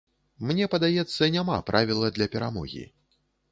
Мне падаецца, няма правіла для перамогі.